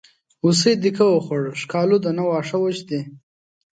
هوسۍ دیکه وخوړه ښکالو ده نه واښه وچ دي.